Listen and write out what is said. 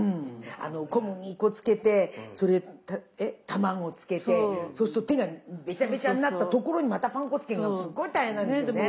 あの小麦粉つけてそれで卵つけてそうすると手がベチャベチャになったところにまたパン粉つけるのすっごい大変なんですよね。